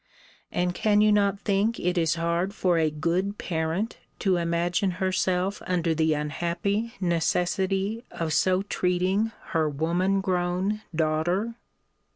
And can you not think it is hard for a good parent to imagine herself under the unhappy necessity of so treating her woman grown daughter?